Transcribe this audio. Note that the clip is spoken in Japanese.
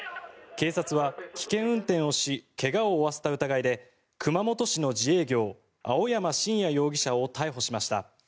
警察は、危険運転をし怪我を負わせた疑いで熊本市の自営業青山真也容疑者を逮捕しました。